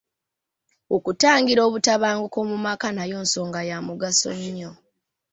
Okutangira obutabanguko mu maka nayo nsonga ya mugaso nnyo.